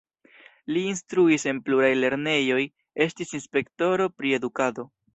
Li instruis en pluraj lernejoj, estis inspektoro pri edukado.